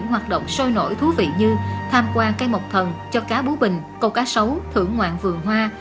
hoặc sôi nổi thú vị như tham quan cây mộc thần cho cá bú bình câu cá sấu thưởng ngoạn vườn hoa